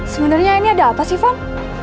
sebenarnya ini ada apa sih van